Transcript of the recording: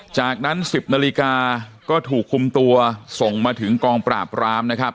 จากนั้น๑๐นาฬิกาก็ถูกคุมตัวส่งมาถึงกองปราบรามนะครับ